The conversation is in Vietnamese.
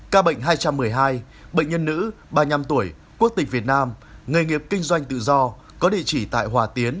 ca bệnh hai trăm một mươi hai bệnh nhân nữ ba mươi năm tuổi quốc tịch việt nam nghề nghiệp kinh doanh tự do có địa chỉ tại hòa tiến